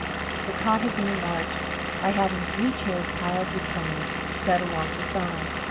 The cot had been enlarged by having three chairs piled with pillows, set along the side.